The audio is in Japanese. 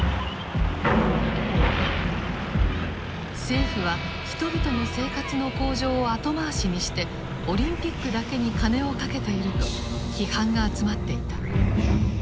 政府は人々の生活の向上を後回しにしてオリンピックだけに金をかけていると批判が集まっていた。